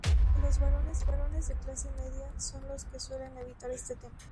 Los varones de clase media son los que suelen evitar este tema.